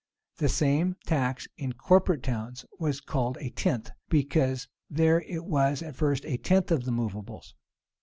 The same tax in corporate towns was called a tenth; because there it was, at first, a tenth of the movables.